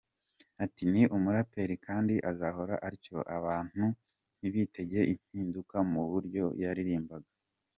Ati "Ni umuraperi kandi azahora atyo, abantu ntibitege impinduka mu buryo yaririmbaga.